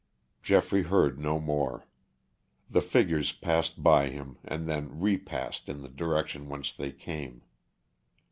Geoffrey heard no more. The figures passed by him and then repassed in the direction whence they came.